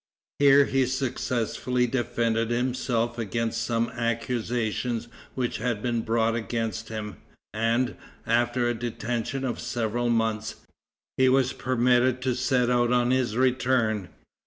Here he successfully defended himself against some accusations which had been brought against him, and, after a detention of several months, he was permitted to set out on his return.